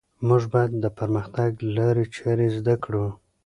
موږ باید د پرمختګ لارې چارې زده کړو.